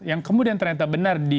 yang kemudian ternyata benar di